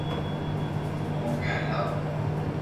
ھون اوني ھلاوُ ھون